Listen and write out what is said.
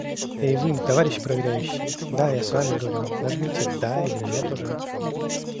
Эй вы, товарищ проверяющий. Да, я с вами говорю, нажмите "Да" или "Нет" уже.